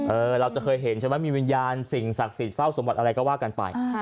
เราจะเคยเห็นใช่ไหมมีวิญญาณสิ่งศักดิ์สิทธิ์เฝ้าสมบัติอะไรก็ว่ากันไป